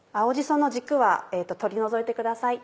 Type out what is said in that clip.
その軸は取り除いてください。